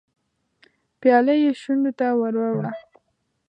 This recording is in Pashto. پياله يې شونډو ته ور وړه.